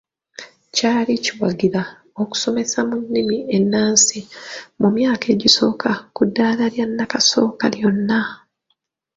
Kyali kiwagira okusomesa mu nnimi enaansi mu myaka egisooka ku ddaala lya nakasooka lyonna.